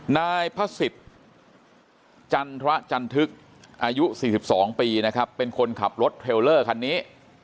นายพระศิษย์จันทรจันทึกอายุ๔๒ปีนะครับเป็นคนขับรถเทลเลอร์คันนี้